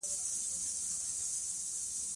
ازادي راډیو د اقتصاد په اړه د ټولنې د ځواب ارزونه کړې.